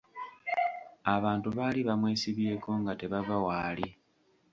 Abantu baali bamwesibyeko nga tebava waali!